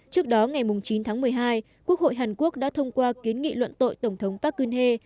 trước đó ngày chín tháng một mươi hai quốc hội hàn quốc đã thông qua kiến nghị luận tội tổng thống park geun hye